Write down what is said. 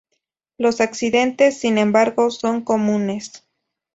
Los accidentes, sin embargo, son comunes.